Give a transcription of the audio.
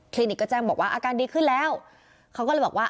นิกก็แจ้งบอกว่าอาการดีขึ้นแล้วเขาก็เลยบอกว่า